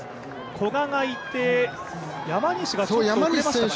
古賀がいて、山西がちょっと遅れましたかね。